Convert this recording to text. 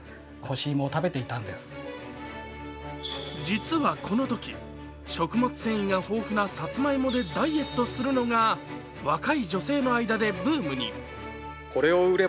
実はこのとき、食物繊維が豊富なさつまいもでダイエットするのが若い女性の間でブームに。